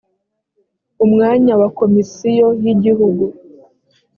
umwanya wa komisiyo y igihugu